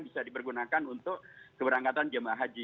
bisa dipergunakan untuk keberangkatan jemaah haji